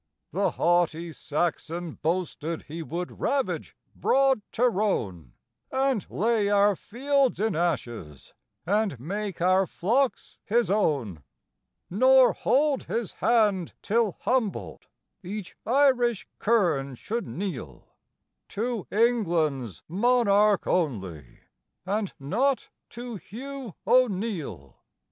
The haughty Saxon boasted he would ravage broad Tyrone, And lay our fields in ashes, and make our flocks his own, Nor hold his hand 'till humbled each Irish kerne should kneel To England's monarch only, and not to Hugh O'Neill.